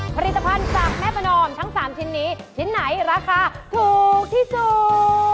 ผลิตภัณฑ์จากแม่ประนอมทั้ง๓ชิ้นนี้ชิ้นไหนราคาถูกที่สุด